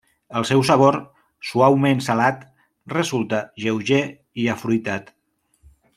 El seu sabor, suaument salat, resulta lleuger i afruitat.